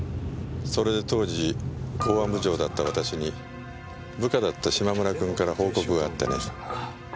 それで当時公安部長だった私に部下だった嶋村君から報告があってね。